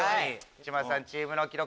内村さんチームの記録